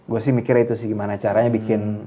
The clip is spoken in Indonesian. gue sih mikirnya itu sih gimana caranya bikin